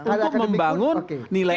untuk membangun nilai